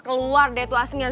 keluar deh tuh aslinya